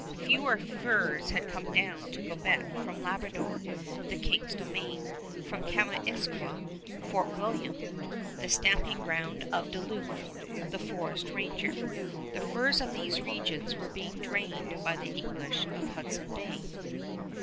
Fewer furs came down to Quebec from Labrador, the King's Domain, from Kaministiquia (Fort William), the stamping ground of Duluth, the forest ranger. The furs of these regions were being drained by the English of Hudson Bay.